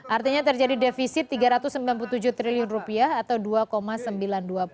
artinya terjadi defisit rp tiga ratus sembilan puluh tujuh triliun atau rp dua